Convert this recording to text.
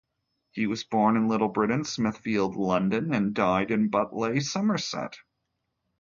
He was born in Little Britain, Smithfield London and died in Butleigh in Somerset.